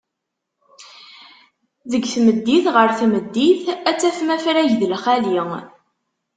Deg tmeddit ɣer tmeddit, ad tafem afrag d lxali.